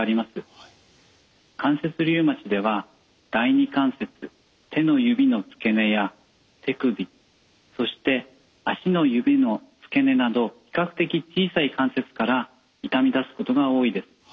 関節リウマチでは第二関節手の指の付け根や手首そして足の指の付け根など比較的小さい関節から痛みだすことが多いです。